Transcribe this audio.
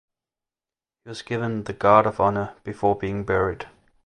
He was given the guard of honour before being buried.